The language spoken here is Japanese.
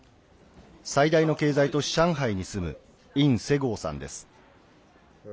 最大の経済都市、上海に住む殷世豪さんです。